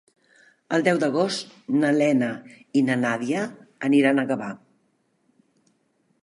El deu d'agost na Lena i na Nàdia aniran a Gavà.